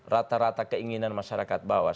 rata rata keinginan masyarakat bawah